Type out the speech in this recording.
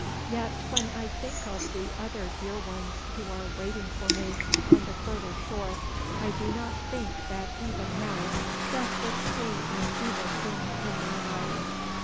Yet, when I think of the other dear ones who are waiting for me on the further shore, I do not think that even now death would seem an evil thing in my eyes.